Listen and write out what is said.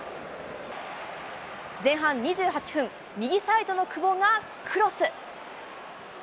前半２８分、右サイドの久保がクロス。